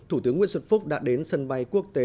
thủ tướng nguyễn xuân phúc đã đến sân bay quốc tế